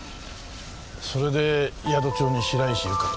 それで宿帳に白石ゆかと？